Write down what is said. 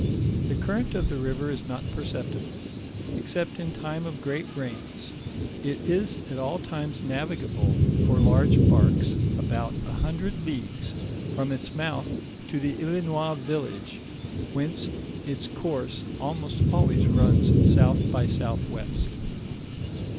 The current of the river is not perceptible, except in time of great rains ; it is at all times navigable for large barks about a hundred leagues, from its month to the Islinois village, whence its course almost al ways runs south by southwest.